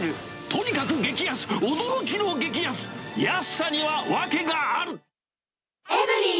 とにかく激安、驚きの激安、安さには訳がある。